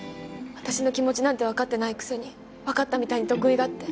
私の気持ちなんてわかってないくせにわかったみたいに得意がって。